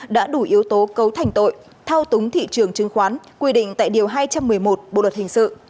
đã đủ yếu tố cấu thành tội thao túng thị trường chứng khoán quy định tại điều hai trăm một mươi một bộ luật hình sự